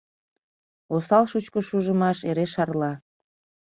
Осал шучко шужымаш эре шарла.